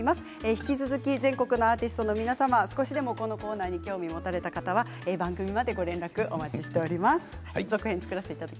引き続き全国のアーティストの皆様、少しでもこのコーナーに興味を持たれた方は番組までご連絡お待ちしております。